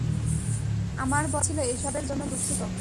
আমার বলা উচিত ছিল এসবের জন্য দুঃখিত।